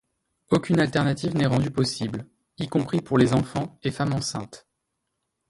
Aucune alternative n'est rendue possible, y compris pour les enfants et femmes enceintes.